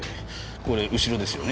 これ後ろですよね？